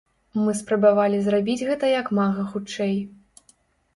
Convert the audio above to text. Мы спрабавалі зрабіць гэта як мага хутчэй.